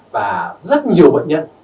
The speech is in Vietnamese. và rất nhiều bệnh nhân